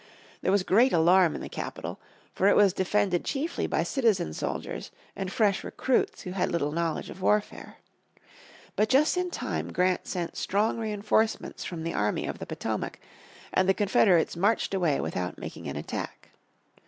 There was great alarm in the capital, for it was defended chiefly by citizen soldiers and fresh recruits who had little knowledge of warfare. But just in time Grant sent strong reinforcements from the army of the Potomac and the Confederates marched away without making an attack.